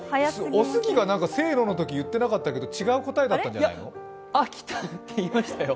おすぎがせーののとき言ってなかったけど、違う答えだったんじゃないの？